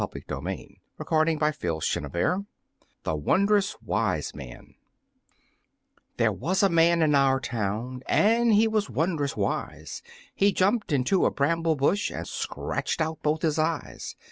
[Illustration: The Wond'rous Wise Man] The Wond'rous Wise Man There was a man in our town And he was wond'rous wise; He jumped into a bramble bush And scratched out both his eyes.